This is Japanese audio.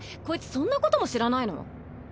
こいつそんなことも知らないの？